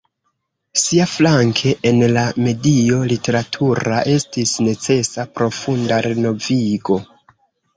Siaflanke, en la medio literatura estis necesa profunda renovigo.